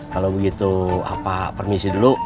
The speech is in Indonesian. kalau begitu permisi dulu